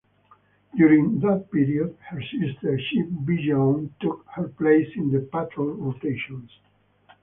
During that period her sister ship "Vigilant" took her place in the patrol rotations.